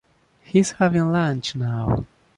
He is having lunch now.